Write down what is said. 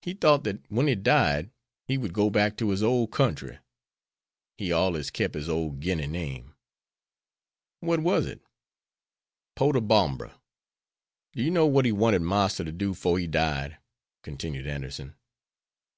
He thought dat when he died he would go back to his ole country. He allers kep' his ole Guinea name." "What was it?" "Potobombra. Do you know what he wanted Marster to do 'fore he died?" continued Anderson.